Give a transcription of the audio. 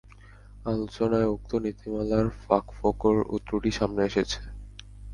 আলোচনায় উক্ত নীতিমালার ফাঁক-ফোকড় ও ত্রুটি সামনে এসেছে।